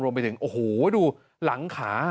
ไปถึงโอ้โหดูหลังขา